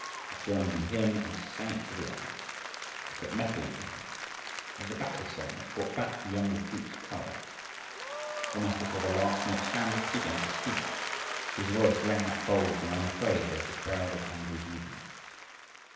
He joined in the hymn and sang it to the end. It put mettle into him. It was the battle song that brought back the young recruit's courage. Almost before the last note sounded he began to speak. His voice rang out bold and unafraid over the crowd of angry heathen.